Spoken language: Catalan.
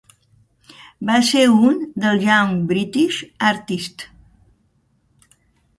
Va ser un dels Young British Artists.